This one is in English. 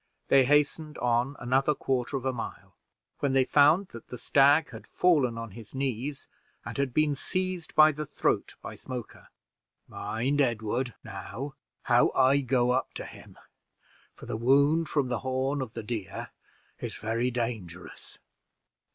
They hastened on another quarter of a mile, when they found that the stag had fallen on his knees, and had been seized by the throat by Smoker. "Mind, Edward, now, how I go up to him, for the wound from the horn of the deer is very dangerous."